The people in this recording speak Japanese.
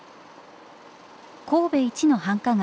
神戸一の繁華街